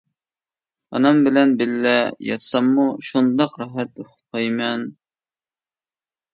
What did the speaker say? ئانام بىلەن بىللە ياتساممۇ شۇنداق راھەت ئۇخلايمەن.